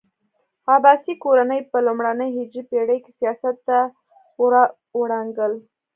عباسي کورنۍ په لومړنۍ هجري پېړۍ کې سیاست ته راوړانګل.